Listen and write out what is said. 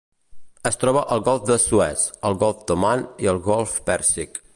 Es troba al golf de Suez, el golf d'Oman i el golf Pèrsic.